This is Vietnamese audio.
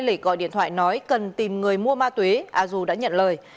nên lễ gọi điện thoại nói cần tìm người mua ma túy a du đã nhận lời